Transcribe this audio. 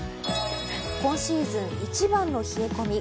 今シーズン一番の冷え込み。